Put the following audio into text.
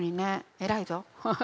偉いぞ。